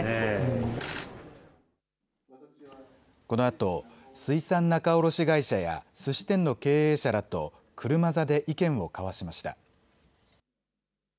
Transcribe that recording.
このあと水産仲卸会社やすし店の経営者らと車座で意見を交わしました。